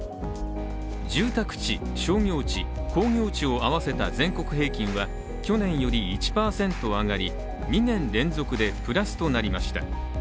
住宅地・商業地・工業地を合わせた全国平均は去年より１％上がり２年連続でプラスとなりました。